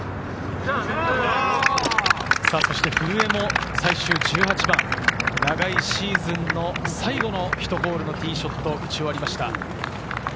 古江も最終１８番、長いシーズンの最後の１ホールのティーショットを打ち終わりました。